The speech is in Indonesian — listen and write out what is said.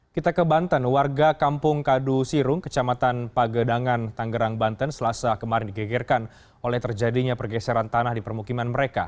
kita ke banten warga kampung kadu sirung kecamatan pagedangan tanggerang banten selasa kemarin digegerkan oleh terjadinya pergeseran tanah di permukiman mereka